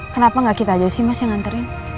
kenapa gak kita aja sih mas yang nganterin